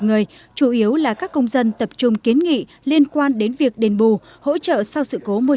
người chủ yếu là các công dân tập trung kiến nghị liên quan đến việc đền bù hỗ trợ sau sự cố môi